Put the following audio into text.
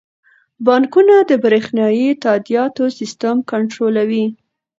بانکونه د بریښنايي تادیاتو سیستم کنټرولوي.